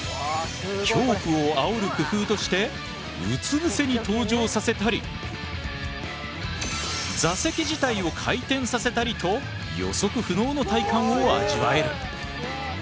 恐怖をあおる工夫としてうつ伏せに搭乗させたり座席自体を回転させたりと予測不能の体感を味わえる。